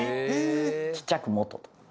ちっちゃく「元」と。